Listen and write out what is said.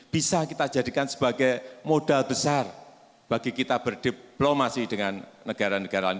bisa kita jadikan sebagai modal besar bagi kita berdiplomasi dengan negara negara lain